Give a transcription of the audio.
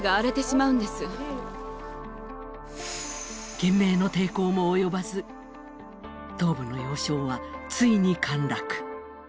懸命の抵抗も及ばず、東部の要衝はついに陥落。